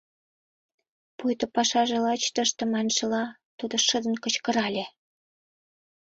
Пуйто пашаже лач тыште маншыла, тудо шыдын кычкырале: